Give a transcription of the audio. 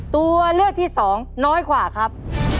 ตัวเลือกที่สองน้อยกว่าครับ